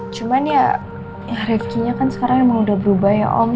cuman ya refee nya kan sekarang emang udah berubah ya om